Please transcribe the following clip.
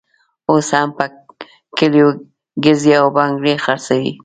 اوس هم په کلیو ګرزي او بنګړي خرڅوي.